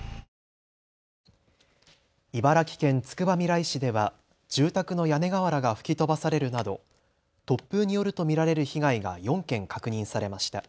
茨城県つくばみらい市では住宅の屋根瓦が吹き飛ばされるなど突風によると見られる被害が４件確認されました。